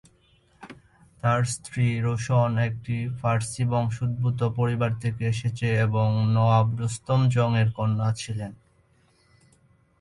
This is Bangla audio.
তার স্ত্রী রোশন একটি ফার্সি বংশোদ্ভূত পরিবার থেকে এসেছে এবং নওয়াব রুস্তম জং এর কন্যা ছিলেন।